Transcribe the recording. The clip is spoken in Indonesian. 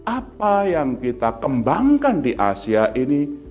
apa yang kita kembangkan di asia ini